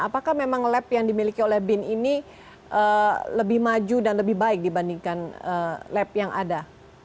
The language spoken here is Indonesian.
apakah memang lab yang dimiliki oleh bin ini lebih maju dan lebih baik dibandingkan lab yang ada